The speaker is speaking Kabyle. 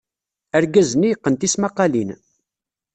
Argaz-nni yeqqen tismaqqalin.